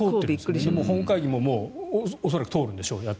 でも本会議も恐らくやったら通るんでしょう。